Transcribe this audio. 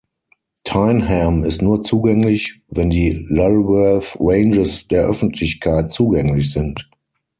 Tyneham ist nur zugänglich, wenn die Lulworth Ranges der Öffentlichkeit zugänglich sind.